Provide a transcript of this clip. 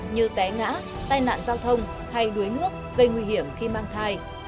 như té ngã tai nạn giao thông hay đuối nước gây nguy hiểm khi mang thai